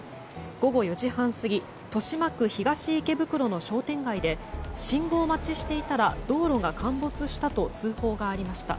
午後４時半過ぎ豊島区東池袋の商店街で信号待ちしていたら道路が陥没したと通報がありました。